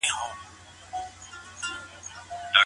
زبرځواکونه دلته خپلې سترې سیاسي موخې تعقیبوي.